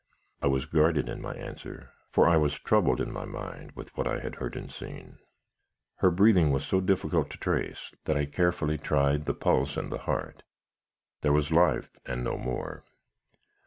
I was guarded in my answer, for I was troubled in my mind with what I had heard and seen. "Her breathing was so difficult to trace, that I carefully tried the pulse and the heart. There was life, and no more.